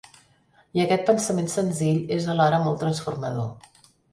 I aquest pensament senzill és alhora molt transformador.